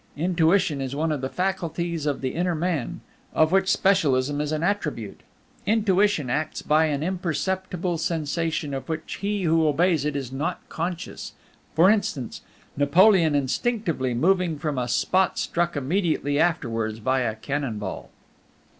Intuition is one of the faculties of the Inner Man, of which Specialism is an attribute. Intuition acts by an imperceptible sensation of which he who obeys it is not conscious: for instance, Napoleon instinctively moving from a spot struck immediately afterwards by a cannon ball.